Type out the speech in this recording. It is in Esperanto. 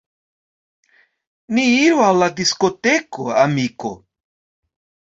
Ni iru al la diskoteko, amiko!